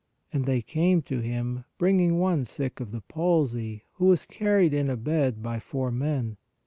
And they came to Him, bringing one sick of the palsy, who was carried in a bed by four men.